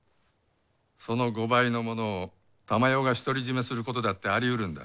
その５倍のものを珠世が独り占めすることだってありうるんだ。